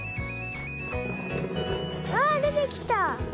あでてきた！